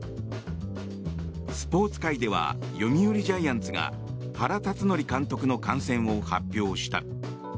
スポーツ界では読売ジャイアンツが原辰徳監督の感染を発表した。